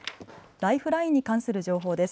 ライフラインに関する情報です。